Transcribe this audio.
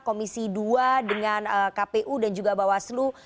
komisi dua dengan kpu dan juga bawaslu